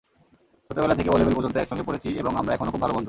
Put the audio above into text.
ছোটবেলা থেকে ও-লেভেল পর্যন্ত একসঙ্গে পড়েছি এবং আমরা এখনো খুব ভালো বন্ধু।